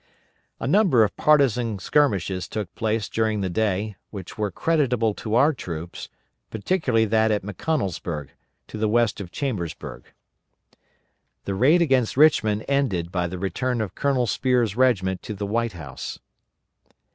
A number of partisan skirmishes took place during the day, which were creditable to our troops, particularly that at McConnellsburg, to the west of Chambersburg. The raid against Richmond ended by the return of Colonel Spear's regiment to the White House.